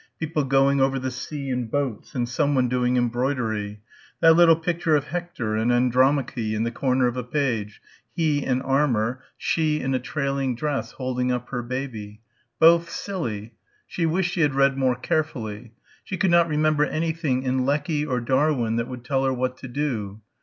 people going over the sea in boats and someone doing embroidery ... that little picture of Hector and Andromache in the corner of a page ... he in armour ... she, in a trailing dress, holding up her baby. Both, silly.... She wished she had read more carefully. She could not remember anything in Lecky or Darwin that would tell her what to do